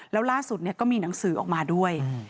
แล้วล่าสุดก็มีหนังสือออกมาด้วย